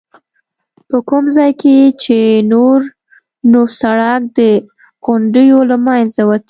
په کوم ځای کې چې نور نو سړک د غونډیو له منځه وتی.